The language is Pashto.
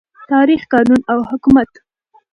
تاریخ، قانون او حکومت